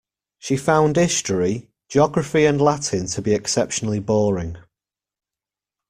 She found history, geography and Latin to be exceptionally boring.